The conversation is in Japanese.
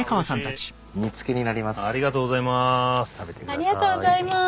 ありがとうございます。